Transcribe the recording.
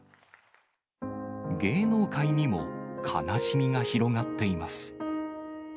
芸能界にも悲しみが広がっています。